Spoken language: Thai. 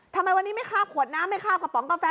ทำไมวันนี้ไม่คาบขวดน้ำไม่คาบกระป๋องกาแฟ